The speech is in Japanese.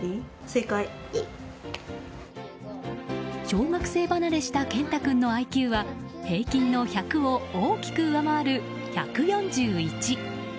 小学生離れしたけんた君のＩＱは平均の１００を大きく上回る１４１。